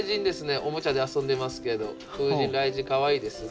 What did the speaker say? おもちゃで遊んでますけど風神雷神かわいいですね。